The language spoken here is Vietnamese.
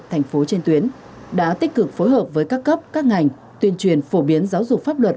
thành phố trên tuyến đã tích cực phối hợp với các cấp các ngành tuyên truyền phổ biến giáo dục pháp luật